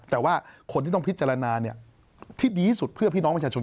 แต่ว่าคนที่ต้องพิจารณาที่ดีที่สุดเพื่อพี่น้องประชาชน